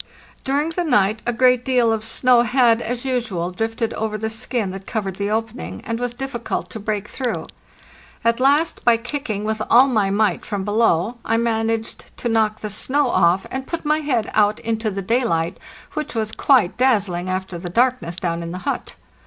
During the night a great deal of snow had, as usual, drifted over the skin that covered the opening, and was difficult to break through. At last, by kicking with all my might from below, I managed to knock the snow off, and put my head out into the daylight, which was quite dazzling after the darkness down in the hut.